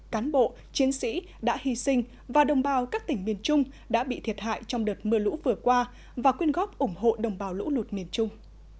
cán bộ chiến sĩ đã hy sinh và đồng bào các tỉnh miền trung đã bị thiệt hại trong đợt mưa lũ vừa qua và quyên góp ủng hộ đồng bào lũ lụt miền trung